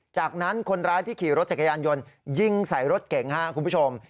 จากนั้นคนร้ายที่ขี่รถจักรยานยนต์ยิงใส่รถเก่งครับคุณผู้ชม